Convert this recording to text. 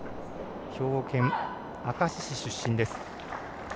兵庫県明石市出身です。